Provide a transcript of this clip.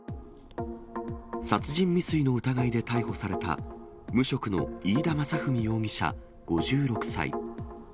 殺人未遂の疑いで逮捕された、無職の飯田雅史容疑者５６歳。